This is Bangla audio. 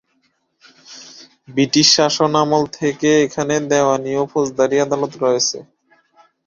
ব্রিটিশ শাসন আমল থেকে এখানে দেওয়ানী ও ফৌজদারি আদালত রয়েছে।